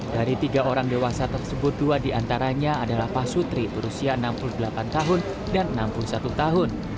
dari tiga orang dewasa tersebut dua diantaranya adalah pak sutri berusia enam puluh delapan tahun dan enam puluh satu tahun